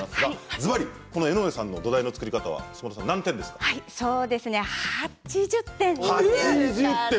ずばり江上さんの土台の作り方はそうですね、８０点。